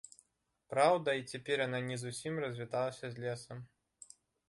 Праўда, і цяпер яна не зусім развіталася з лесам.